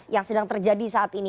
yang sedang terjadi saat ini